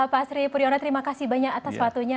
pak sri puryono terima kasih banyak atas waktunya